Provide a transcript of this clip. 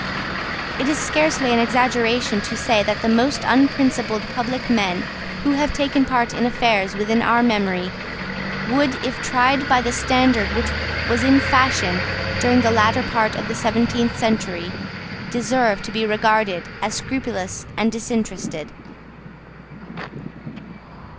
It is scarcely an exaggeration to say that the most unprincipled public men who have taken part in affairs within our memory would, if tried by the standard which was in fashion during the latter part of the seventeenth century, deserve to be regarded as scrupulous and disinterested.